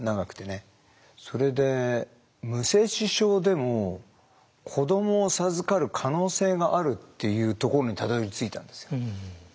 それで無精子症でも子供を授かる可能性があるっていうところにたどりついたんですよ。